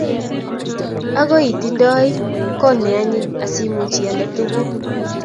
Agoi iting'doi kote ne anyiny asimuch ialde tuguk kuk